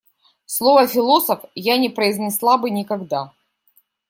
Слово «философ» я не произнесла бы никогда.